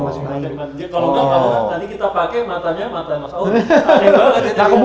jadi kalo ngga nanti kita pake matanya mata emang auri